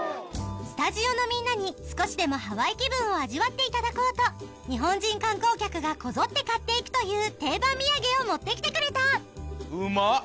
スタジオのみんなに少しでもハワイ気分を味わっていただこうと日本人観光客がこぞって買って行くという定番土産を持って来てくれたうまっ！